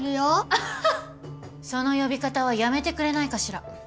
その呼び方はやめてくれないかしら。